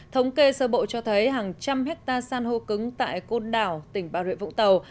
thống kê sơ bộ cho thấy hàng trăm hectare san hô cứng tại côn đảo tỉnh bà rịa vũng tàu